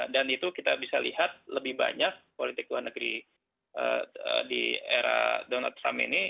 dan itu kita bisa lihat lebih banyak politik luar negeri di era donald trump ini